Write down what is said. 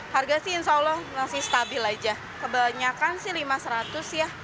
harga sih insya allah masih stabil aja kebanyakan sih lima seratus ya